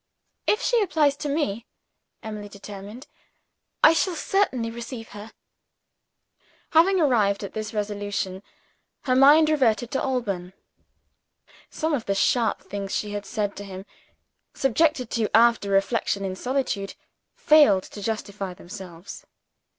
"If she applies to me," Emily determined, "I shall certainly receive her." Having arrived at this resolution, her mind reverted to Alban. Some of the sharp things she had said to him, subjected to after reflection in solitude, failed to justify themselves.